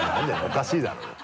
おかしいだろうよ。